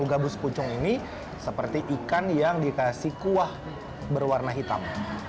gabus pucung ini seperti ikan yang dikasih kuah berwarna hitam